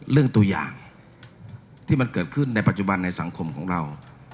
เรื่องตัวอย่างที่มันเกิดขึ้นในปัจจุบันในสังคมของเรา